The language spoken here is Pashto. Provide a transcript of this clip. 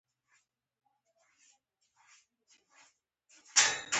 خارجه چارو دفتر ته وغوښتلم.